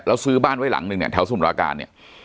แล้วซื้อบ้านไว้หลังนึงเนี่ยแถวสมุราการเนี่ย